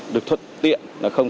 được thuận tiện nó không